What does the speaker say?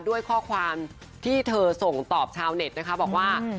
ด้วยข้อความที่เธอส่งตอบชาวเน็ตนะคะบอกว่า